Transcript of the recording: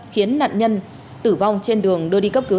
khiến nạn nhân tử vong trên đường đưa đi cấp cứu